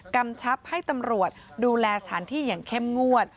กำชับให้ตำรวจดูแลสถานที่อย่างเข้มงวด